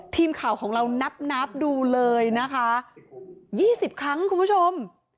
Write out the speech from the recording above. ทีมข่าวของเรานับนับดูเลยนะคะ๒๐ครั้งคุณผู้ชม